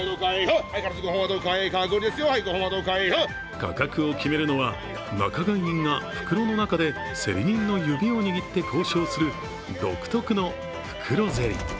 価格を決めるのは、仲買人が袋の中で競り人の指を握って交渉する独特の袋競り。